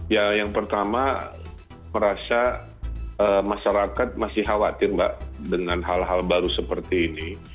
ya yang pertama merasa masyarakat masih khawatir mbak dengan hal hal baru seperti ini